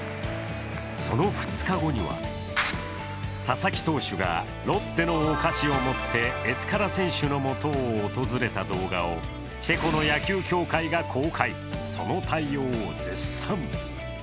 その２日後には、佐々木投手がロッテのお菓子を持ってエスカラ選手の元を訪れた動画をチェコの野球協会が公開、その対応を絶賛。